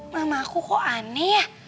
mama aku kok aneh ya